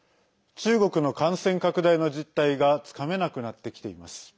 中国の感染拡大の実態がつかめなくなってきています。